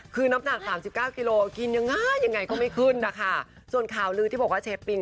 เขากินยังไงคงก็มีอ้วน